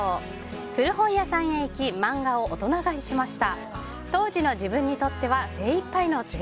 古本屋さんへ行き漫画を大人買いしました。